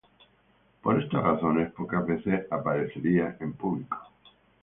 Por esas razones, pocas veces aparecía en público.